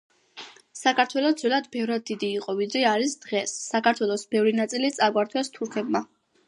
საქართველო ძველად ბევრად დიდი იყო, ვიდრე არის დღეს, საქართველოს ბევრი ნაწილი წაგვართვეს თურქებმა.